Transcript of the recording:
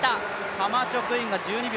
カマチョクインが１２秒